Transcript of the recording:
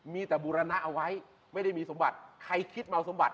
มีแต่บูรณะเอาไว้ไม่ได้มีสมบัติใครคิดเมาสมบัติ